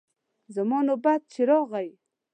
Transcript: زما نوبت چې راغی.